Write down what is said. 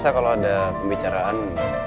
saya kalau ada pembicaraan